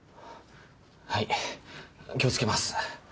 はい気を付けます。